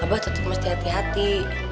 abah tetap mesti hati hati